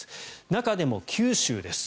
中でも九州です。